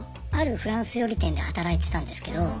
あるフランス料理店で働いてたんですけど。